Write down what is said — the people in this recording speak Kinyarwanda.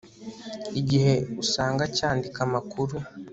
igihe usanga cyandika amakuru